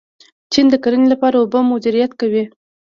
چین د کرنې لپاره اوبه مدیریت کوي.